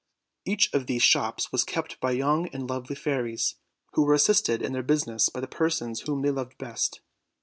Each of these shops was kept by young and lovely fairies, who were assisted in their business by the persons whom they loved best.